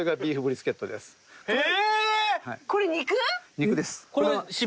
肉です。